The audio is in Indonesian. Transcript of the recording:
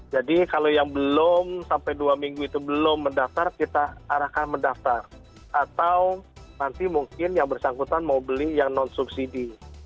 jadi kalau yang belum sampai dua minggu itu belum mendaftar kita arahkan mendaftar atau nanti mungkin yang bersangkutan mau beli yang non subsidi